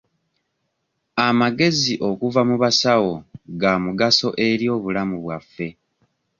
Amagezi okuva mu basawo ga mugaso eri bulamu bwaffe.